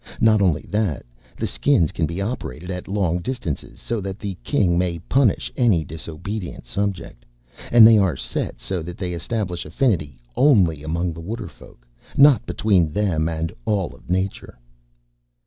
Not only that, the Skins can be operated at long distances so that the King may punish any disobedient subject. And they are set so that they establish affinity only among the Waterfolk, not between them and all of Nature."